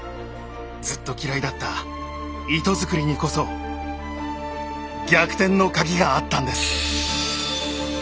ずっと嫌いだった糸づくりにこそ逆転の鍵があったんです。